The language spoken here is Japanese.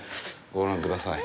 ご覧ください。